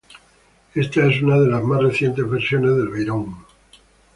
Esta es una de las más recientes versiones del Veyron.